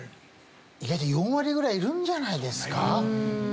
意外と４割ぐらいいるんじゃないですか？